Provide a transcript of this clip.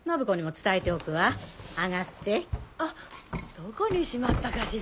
どこにしまったかしら。